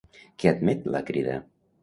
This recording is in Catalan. Què admet la Crida?